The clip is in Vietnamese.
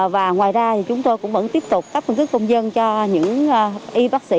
và ngoài ra thì chúng tôi cũng vẫn tiếp tục cấp phương thức công dân cho những y bác sĩ